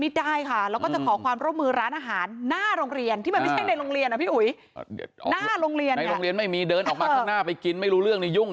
มีได้จะขอความร่วมมือร้านอาหารน่าโรงเรียนที่มันไม่ใช่ในโรงเรียนน่ะพี่อุย